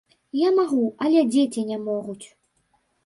Я магу, але дзеці не могуць!